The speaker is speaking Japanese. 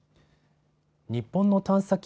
日本の探査機